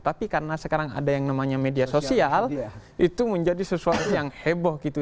tapi karena sekarang ada yang namanya media sosial itu menjadi sesuatu yang heboh gitu